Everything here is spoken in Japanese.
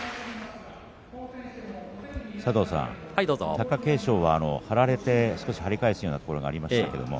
貴景勝は張られて少し張り返すところがありました。